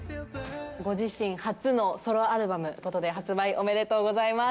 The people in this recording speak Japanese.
ご自身初のソロアルバムということで、発売おめでとうございます。